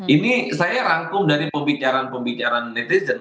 ini saya rangkum dari pembicaraan pembicaraan netizen